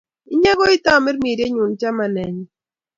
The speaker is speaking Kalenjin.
Inye ii tamirmirienyu chamanenyu